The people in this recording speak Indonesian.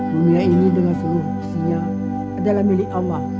dunia ini dengan seluruh usia adalah milik allah